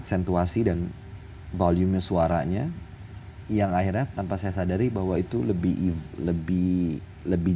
aksentuasi dan volume suaranya yang akhirnya tanpa saya sadari bahwa itu lebih jadi gitu